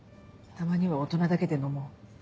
たまには大人だけで飲もう。